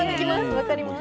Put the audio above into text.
分かります。